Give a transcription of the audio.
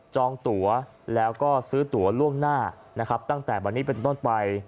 องตัวแล้วก็ซื้อตัวล่วงหน้านะครับตั้งแต่วันนี้เป็นต้นไป